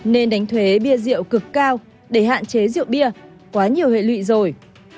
nên đánh thuế bia rượu cực cao để hạn chế rượu bia quá nhiều hệ lụy rồi